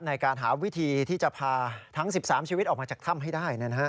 ในการหาวิธีที่จะพาทั้ง๑๓ชีวิตออกมาจากถ้ำให้ได้